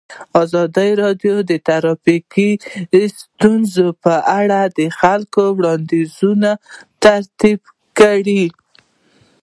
ازادي راډیو د ټرافیکي ستونزې په اړه د خلکو وړاندیزونه ترتیب کړي.